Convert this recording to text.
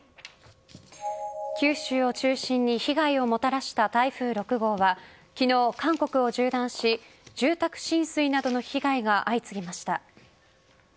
九州を中心に被害をもたらした台風６号は昨日、韓国を縦断し住宅浸水などの被害が相次ぎました。